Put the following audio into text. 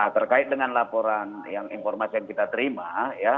terkait dengan laporan yang informasi yang kita terima